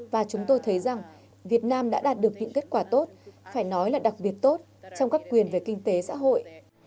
và chúng tôi thấy rằng việt nam đã đạt được những kết quả tốt phải nói là đặc biệt tốt trong các quyền về kinh tế xã hội